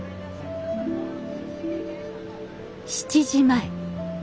７時前。